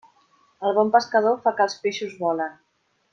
El bon pescador fa que els peixos volen.